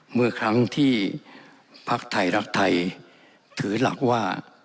เมื่อครั้งที่พักไทยรักไทยถือหลักว่า